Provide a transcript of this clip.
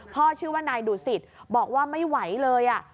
ชื่อว่านายดุสิตบอกว่าไม่ไหวเลย